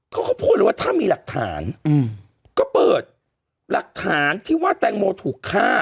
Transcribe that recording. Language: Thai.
เขาก็พูดเลยว่าถ้ามีหลักฐานก็เปิดหลักฐานที่ว่าแตงโมถูกฆ่า